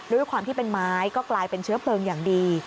ด้วยความที่เป็นไม้ก็กลายเป็นเชื้อเพลิงอย่างดี